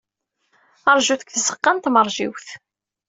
Ṛjut deg tzeɣɣa n tmeṛjiwt.